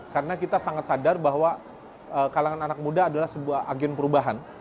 karena kita sangat sadar bahwa kalangan anak muda adalah sebuah agen perubahan